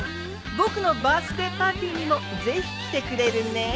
僕のバースデーパーティーにもぜひ来てくれるね。